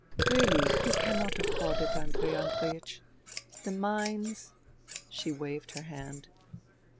Really, he cannot afford it, Andrei Andreiech. The mines " She waved her hand.